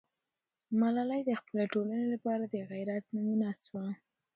ملالۍ د خپلې ټولنې لپاره د غیرت نمونه سوه.